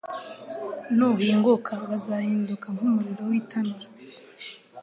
nuhinguka bazahinduka nk’umuriro w’itanura